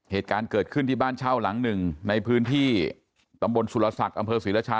เหตุการณ์เกิดขึ้นที่บ้านเช่าหลังหนึ่งในพื้นที่ตำบลสุรศักดิ์อำเภอศรีรชา